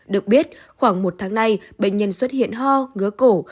được biết khoảng một tháng nay bệnh nhân xuất hiện ho ngứa cổ